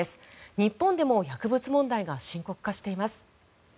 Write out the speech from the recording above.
日本でも薬物問題が深刻化しています。